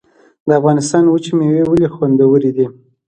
د افغانستان وچې میوې ولې خوندورې دي؟